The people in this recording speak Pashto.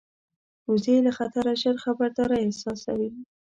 وزې له خطره ژر خبرداری احساسوي